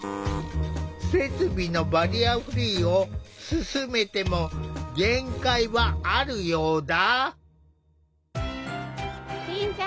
設備のバリアフリーを進めても限界はあるようだ。